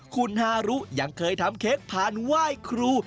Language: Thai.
คุณฮารุยังเคยทำเค้กผ่านไหว้ครู